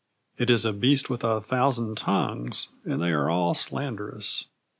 It is a beast with a thousand tongues, and they are all slanderous.